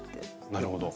なるほど。